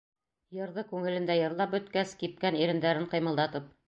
Йырҙы күңелендә «йырлап» бөткәс, кипкән ирендәрен ҡыймылдатып: